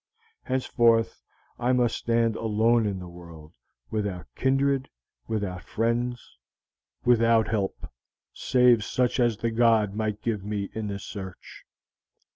Henceforth, I must stand alone in the world, without kindred, without friends, without help, save such as the god might give me in the search.